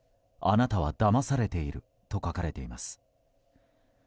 あなたはだまされている」と書かれています。